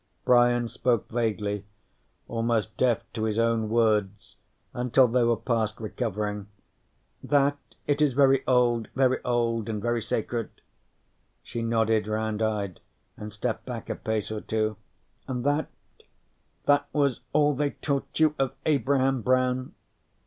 Brian spoke vaguely, almost deaf to his own words until they were past recovering: "That? It is very old. Very old and very sacred." She nodded, round eyed, and stepped back a pace or two. "And that that was all they taught you of Abraham Brown?"